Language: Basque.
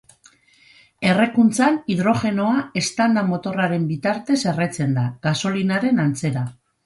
Errekuntzan hidrogenoa eztanda-motorraren bitartez erretzen da, gasolinaren antzera.